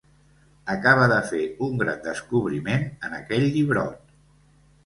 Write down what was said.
Acaba de fer un gran descobriment en aquell llibrot.